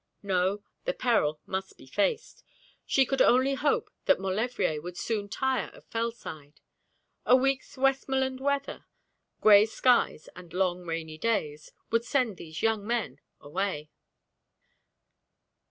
No, the peril must be faced. She could only hope that Maulevrier would soon tire of Fellside. A week's Westmoreland weather gray skies and long rainy days, would send these young men away.